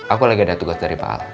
aku lagi ada tugas dari pak al